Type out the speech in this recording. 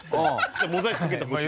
モザイクかけてほしい？